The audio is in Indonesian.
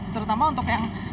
terutama untuk yang